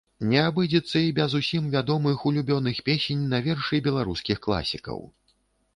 Не абыдзецца і без усім вядомых улюбёных песень на вершы беларускіх класікаў.